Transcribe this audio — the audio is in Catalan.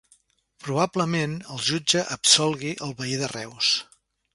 Probablement el jutge absolgui el veí de Reus